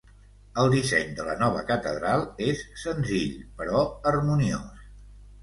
El disseny de la nova catedral és senzill, però harmoniós.